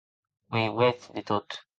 Qu’ei uet de tot.